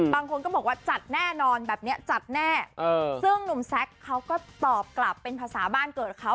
บางคนก็บอกว่าจัดแน่นอนแบบนี้จัดแน่ซึ่งหนุ่มแซคเขาก็ตอบกลับเป็นภาษาบ้านเกิดเขา